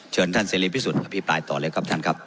เชิญท่านเสรีพิสุทธิ์อภิปรายต่อเลยครับท่านครับ